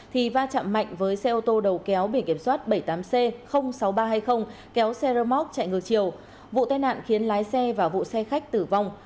thì va chạm mạnh với xe ô tô đầu kéo biển kiểm soát bảy mươi tám c sáu nghìn ba trăm hai mươi kéo xe rơ móc chạy ngược chiều vụ tai nạn khiến lái xe và vụ xe khách tử vong